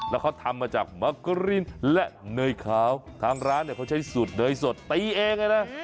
แล้วเขาทำมาจากมะกะรินและเนยขาวทางร้านเนี่ยเขาใช้สูตรเนยสดตีเองเลยนะ